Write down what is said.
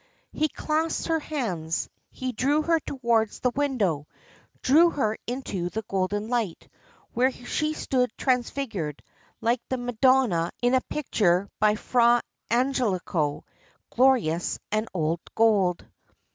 He clasped her hands, he drew her towards the window, drew her into the golden light, where she stood transfigured, like the Madonna in a picture by Fra Angelico, glorious and all gold.